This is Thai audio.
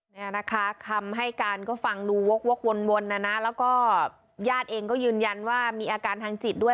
เนี่ยนะคะคำให้การก็ฟังดูวกวนนะนะแล้วก็ญาติเองก็ยืนยันว่ามีอาการทางจิตด้วย